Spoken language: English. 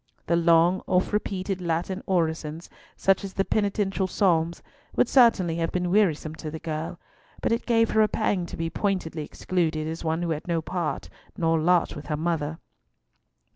The long oft repeated Latin orisons, such as the penitential Psalms, would certainly have been wearisome to the girl, but it gave her a pang to be pointedly excluded as one who had no part nor lot with her mother.